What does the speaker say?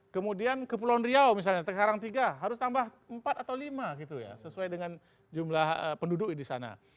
kemudian kepulauan riau misalnya sekarang tiga harus tambah empat atau lima gitu ya sesuai dengan jumlah penduduk di sana